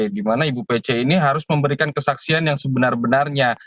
karena ibu pece ini harus memberikan kesaksian yang sebenar benarnya